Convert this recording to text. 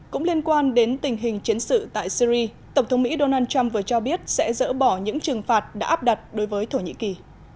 cũng liên quan đến tình hình chiến sự tại syri tổng thống mỹ donald trump vừa cho biết sẽ dỡ bỏ những trừng phạt đã áp đặt đối với thổ nhĩ kỳ